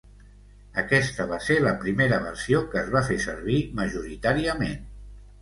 Aquesta va ser la primera versió que es va fer servir majoritàriament.